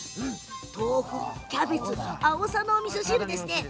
豆腐とキャベツとあおさのおみそ汁です。